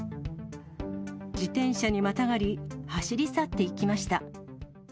自転車にまたがり、走り去っていきました。